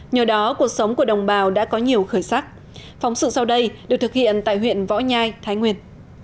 nhờ đó cuộc sống của đồng bào đã có nhiều khởi sắc phóng sự sau đây được thực hiện tại huyện võ nhai thái nguyên